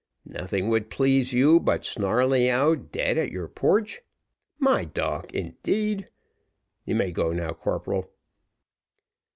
Nothing would please you but Snarleyyow dead at your porch. My dog, indeed! you may go now, corporal."